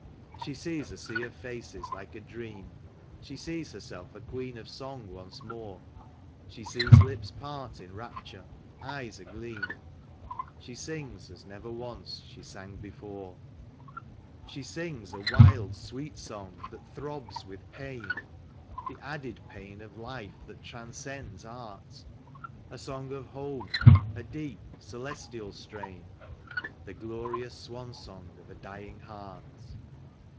She sees a sea of faces like a dream; She sees herself a queen of song once more; She sees lips part in rapture, eyes agleam ; She sings as never once she sang before. MUSIC IN THE BUSH. 51 She sings a wild, sweet song that throbs witli pain, The added pain of life that transcends art, A song of home, a deep, celestial strain. The glorious swan song of a dying heart.